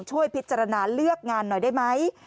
ช่วยพิจารณาเลือกงานหน่อยได้ไหม